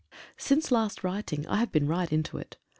1NCE last writing I have been right into it.